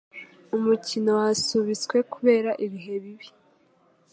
Umukino wasubitswe kubera ibihe bibi.